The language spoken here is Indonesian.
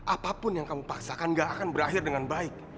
apapun yang kamu paksakan gak akan berakhir dengan baik